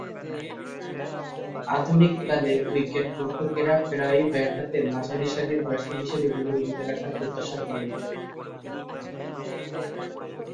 আধুনিককালে উইকেট-রক্ষকেরা প্রায়ই ব্যাট হাতে মাঝারিসারির ব্যাটসম্যান হিসেবে দলে ভূমিকা রাখার প্রত্যাশা করেন।